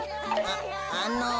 ああの。